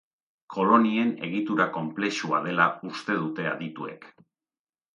Kolonien egitura konplexua dela uste dute adituek.